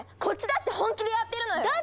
こっちだって本気でやってるのよ！